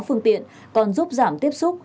phương tiện còn giúp giảm tiếp xúc